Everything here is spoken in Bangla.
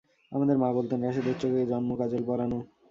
আমার মা বলতেন-রাশেদের চোখে জন্মকাজল পরানো।